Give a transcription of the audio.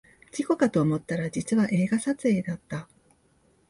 事故かと思ったら実は映画撮影だった